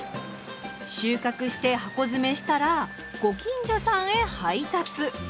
収穫して箱詰めしたらご近所さんへ配達。